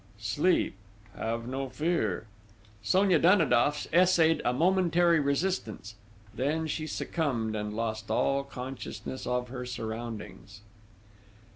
Sleep!... Have no fear!" Sonia Danidoff essayed a momentary resistance, then she succumbed and lost all consciousness of her surroundings....